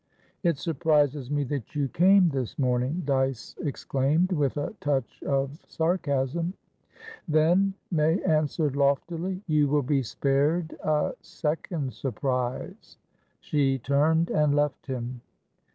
"It surprises me that you came this morning!" Dyce exclaimed, with a touch of sarcasm. "Then," May answered loftily, "you will be spared a second surprise." She turned and left him.